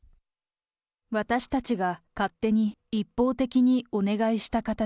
私たちが勝手に一方的にお願いした形。